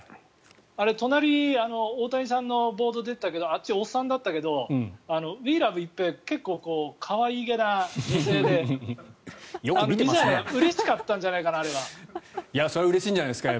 あれ、隣は大谷さんのボードが出ていたけどあっちはおっさんだったけどウィー・ラブ・一平結構可愛げな女性でうれしかったんじゃないかな。